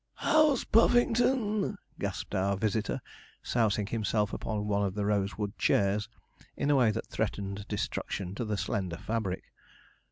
'How's Puffington?' gasped our visitor, sousing himself upon one of the rosewood chairs in a way that threatened destruction to the slender fabric.